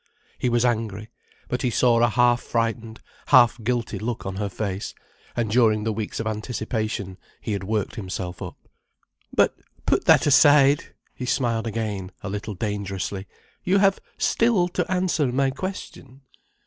He was angry. But he saw a half frightened, half guilty look on her face, and during the weeks of anticipation he had worked himself up. "But put that aside," he smiled again, a little dangerously. "You have still to answer my question.